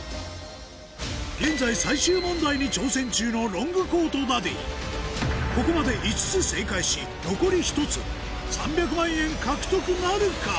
現在最終問題に挑戦中のここまで５つ正解し残り１つ３００万円獲得なるか？